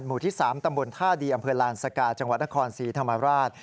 หมู่ที่๓ตำบลท่าดีอำเภอลานสกาจังหวัดนครศรีธรรมราช